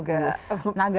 yang satu umurnya juga